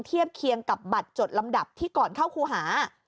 เทียบเคียงกับบัตรจดลำดับที่ก่อนเข้าครูหา